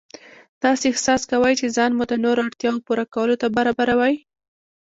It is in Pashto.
داسې احساس کوئ چې ځان مو د نورو اړتیاوو پوره کولو ته برابروئ.